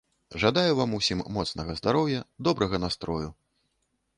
Жадаю вам усім моцнага здароўя, добрага настрою.